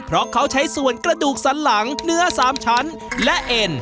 เพราะเขาใช้ส่วนกระดูกสันหลังเนื้อ๓ชั้นและเอ็น